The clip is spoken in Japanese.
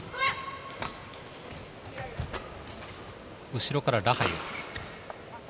後ろからラハユ。